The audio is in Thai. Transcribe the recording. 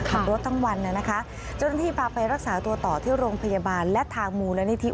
ขับรถทั้งวันนะคะเจ้าหน้าที่พาไปรักษาตัวต่อที่โรงพยาบาลและทางมูลนิธิ